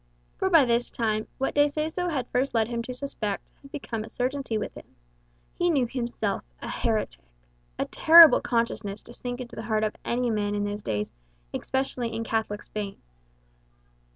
For by this time, what De Seso had first led him to suspect, had become a certainty with him. He knew himself a heretic a terrible consciousness to sink into the heart of any man in those days, especially in Catholic Spain.